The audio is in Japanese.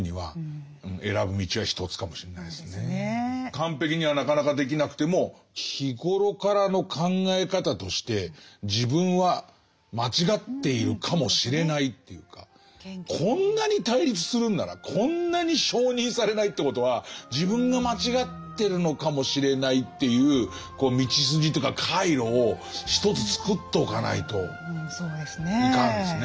完璧にはなかなかできなくても日ごろからの考え方として自分は間違っているかもしれないというかこんなに対立するんならこんなに承認されないということは自分が間違ってるのかもしれないという道筋というか回路を一つ作っておかないといかんですね。